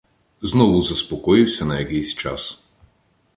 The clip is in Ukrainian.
Знову заспокоївся на якийсь час.